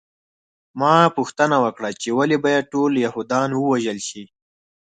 ما پوښتنه وکړه چې ولې باید ټول یهودان ووژل شي